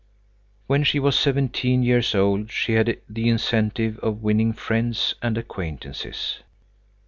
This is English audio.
When she was seventeen years old, she had the incentive of winning friends and acquaintances.